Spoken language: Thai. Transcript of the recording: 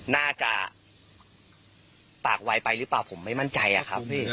น่าจะปากไวไปหรือเปล่าผมไม่มั่นใจอะครับพี่